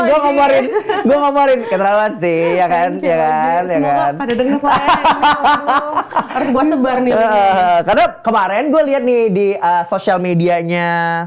gua ngomorin gua ngomorin keterlaluan sih ya kan ya kan hahaha kemarin gua lihat nih di social medianya